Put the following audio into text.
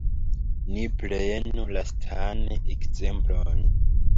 Ni prenu lastan ekzemplon.